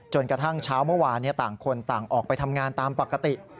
กระทั่งเช้าเมื่อวานต่างคนต่างออกไปทำงานตามปกติ